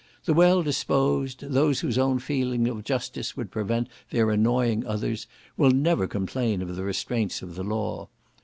The well disposed, those whose own feeling of justice would prevent their annoying others, will never complain of the restraints of the law.